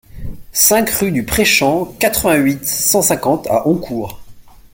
cinq rue du Prèchamp, quatre-vingt-huit, cent cinquante à Oncourt